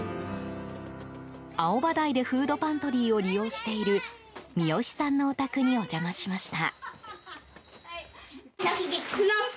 青葉台でフードパントリーを利用している三好さんのお宅にお邪魔しました。